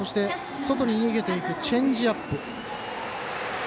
外に逃げていくチェンジアップ。